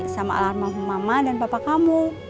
sama alam mama dan papa kamu